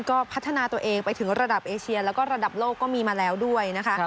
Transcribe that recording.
ก็พัฒนาตัวเองไปถึงระดับเอเชียแล้วก็ระดับโลกก็มีมาแล้วด้วยนะคะ